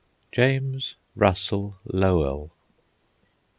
JAMES RUSSELL LOWELL.